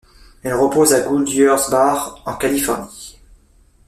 Elle repose à Goodyears Bar, en Californie.